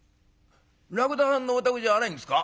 らくださんのお宅じゃないんですか？」。